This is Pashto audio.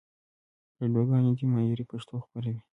راډیوګاني دي معیاري پښتو خپروي.